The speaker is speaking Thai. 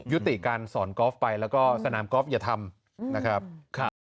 ยุติการสอนกอล์ฟไปแล้วก็สนามกอล์ฟอย่าทำนะครับ